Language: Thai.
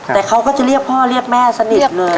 แต่เขาก็จะเรียกพ่อเรียกแม่สนิทเลย